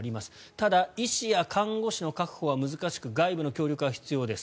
ただ、医師や看護師の確保は難しく、外部の協力が必要です。